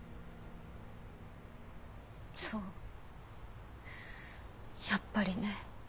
そうやっぱりね。